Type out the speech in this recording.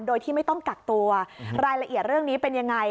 โดยที่ไม่ต้องกักตัวรายละเอียดเรื่องนี้เป็นยังไง